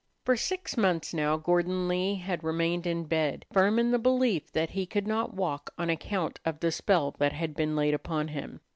For six months now Gordon Lee had remained in bed, firm in the belief that he could not walk on account of the spell that had been laid upon him.